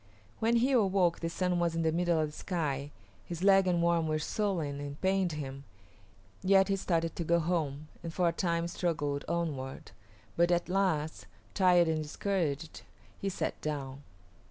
When he awoke the sun was in the middle of the sky. His leg and arm were swollen and pained him, yet he started to go home, and for a time struggled onward; but at last, tired and discouraged, he sat down.